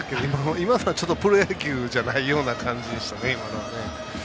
今のはちょっとプロ野球じゃないような感じでしたね。